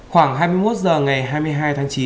khoảng hai mươi một h ngày hai mươi hai tháng chín